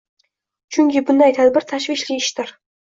chunki bunday tadbir tashvishli ishdir.